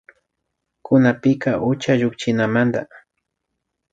Kunanpika ucha llukshinamanda